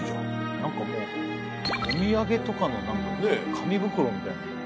なんかもうお土産とかのなんか紙袋みたいな。